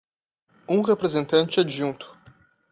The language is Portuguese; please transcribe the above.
Um representante adjunto